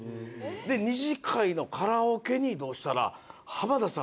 で二次会のカラオケに移動したら浜田さん